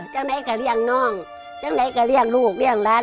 จากไหนก็เลี่ยงน้องจากไหนก็เลี่ยงลูกเลี่ยงร้าน